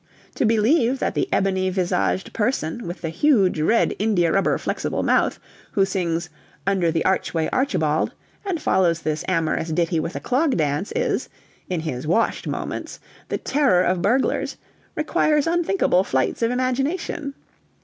To believe that the ebony visaged person with the huge red indiarubber flexible mouth who sings "Under the archway, Archibald," and follows this amorous ditty with a clog dance is in his washed moments the terror of burglars, requires unthinkable flights of imagination.